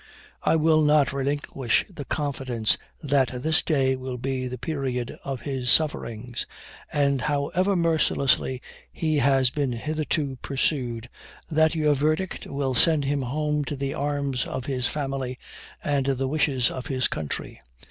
I will not relinquish the confidence that this day will be the period of his sufferings; and, however mercilessly he has been hitherto pursued, that your verdict will send him home to the arms of his family and the wishes of his country.